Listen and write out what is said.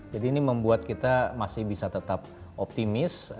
jadi ini membuat kita masih bisa tetap optimis